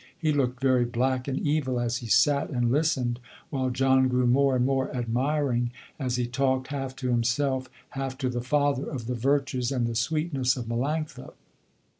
He looked very black and evil as he sat and listened while John grew more and more admiring as he talked half to himself, half to the father, of the virtues and the sweetness of Melanctha.